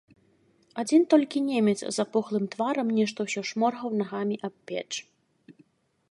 Адзін толькі немец з апухлым тварам нешта ўсё шморгаў нагамі аб печ.